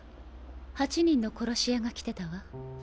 ８人の殺し屋が来てたわ。